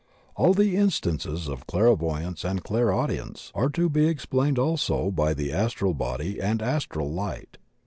All the instances of clairvoyance and clairaudience are to be explained also by the astral body and astral light.